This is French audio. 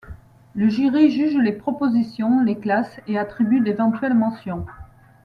Le jury juge les propositions, les classe, et attribue d'éventuelles mentions.